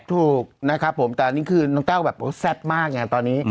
ถูกนะครับผมแต่อันนี้คือน้องแต้วแบบแซ่บมากไงตอนนี้